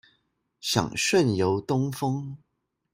想順遊東峰